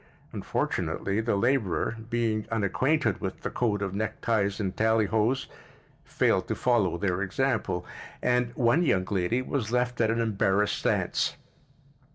Unfortunately, the laborer, being unacquainted with the code of neckties and tallyhos, failed to follow their example, and one young lady was left at an embarrassed stance.